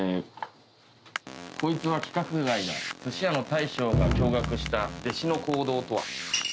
「『こいつは規格外だ！』寿司屋の大将が驚愕した弟子の行動とは？」